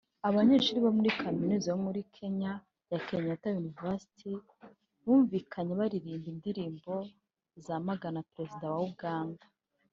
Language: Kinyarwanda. Abanyeshuli bo muri Kaminuza yo muri Kenya ya Kenyatta University bumvikanye baririmba indirimbo zamagana Perezida wa Uganda